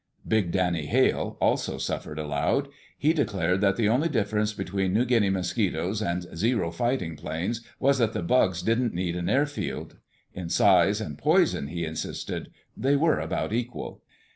Big Danny Hale also suffered aloud. He declared that the only difference between New Guinea mosquitoes and Zero fighting planes was that the bugs didn't need an airfield. In size and poison, he insisted, they were about equal.